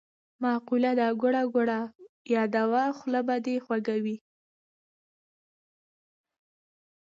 مقوله ده: ګوړه ګوړه یاده وه خوله به دی خوږه وي.